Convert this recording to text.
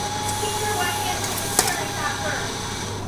He threw a handful of cherries at her.